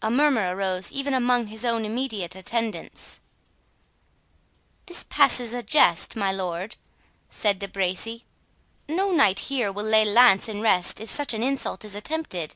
A murmur arose even among his own immediate attendants. "This passes a jest, my lord," said De Bracy; "no knight here will lay lance in rest if such an insult is attempted."